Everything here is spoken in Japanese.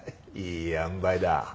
いいあんばいだ。